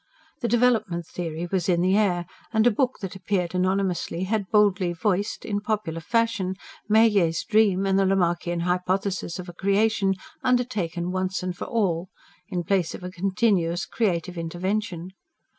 The "development theory" was in the air; and a book that appeared anonymously had boldly voiced, in popular fashion, Maillet's dream and the Lamarckian hypothesis of a Creation undertaken once and for all, in place of a continuous creative intenention.